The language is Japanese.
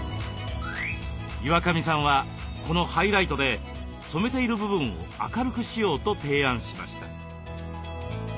岩上さんはこのハイライトで染めている部分を明るくしようと提案しました。